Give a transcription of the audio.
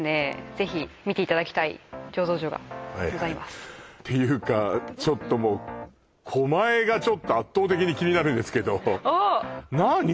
ぜひ見ていただきたい醸造所がございますていうかちょっともう狛江がちょっと圧倒的に気になるんですけどなあに？